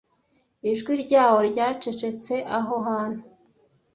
Ijwi ryarwo ryacecetse aho hantu.